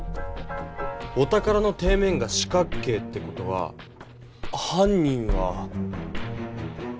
お宝の底面が四角形って事ははん人は。